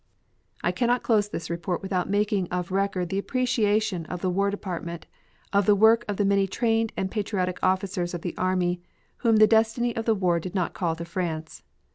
I cannot close this report without making of record the appreciation of the War Department of the work of the many trained and patriotic officers of the army whom the destiny of war did not call to France.